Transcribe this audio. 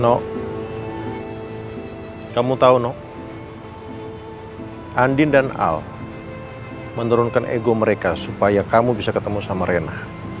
nok kamu tahu nok andin dan al menurunkan ego mereka supaya kamu bisa ketemu sama rena